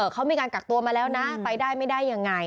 เขามีการกักตัวมาแล้วนะไปได้ไม่ได้ยังไง